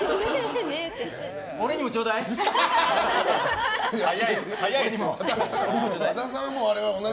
俺にもちょうだい。